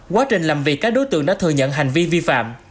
quá trình làm việc các đối tượng đã thừa nhận hành vi vi phạm